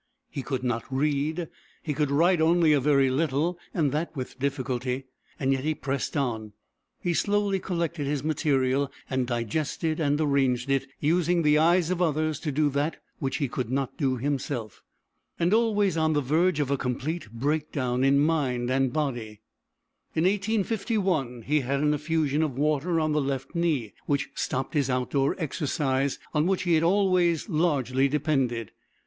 He could not read, he could write only a very little and that with difficulty, and yet he pressed on. He slowly collected his material and digested and arranged it, using the eyes of others to do that which he could not do himself, and always on the verge of a complete breakdown of mind and body. In 1851 he had an effusion of water on the left knee, which stopped his outdoor exercise, on which he had always largely depended.